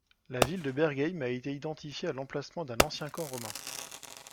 La ville de Bergheim a été identifiée à l’emplacement d’un ancien camp romain.